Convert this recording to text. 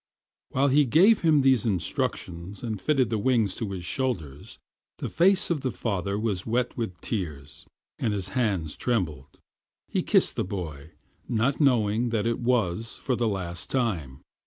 While he gave him these instructions and fitted the wings to his shoulders, the face of the father was wet with tears, and his hands trembled. He kissed the boy, not knowing that it was for the last time.